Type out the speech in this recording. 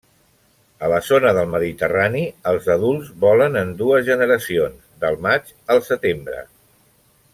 A la zona del Mediterrani, els adults volen en dues generacions, del maig al setembre.